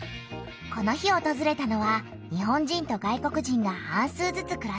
この日おとずれたのは日本人と外国人が半数ずつくらす団地。